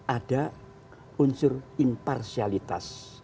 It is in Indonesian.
ada unsur imparsialitas